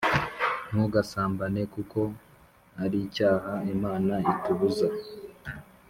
Ntugasambane kuko aricyaha Imana itubuza